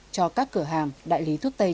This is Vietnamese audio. cho các cửa hàng đại lý thuốc tây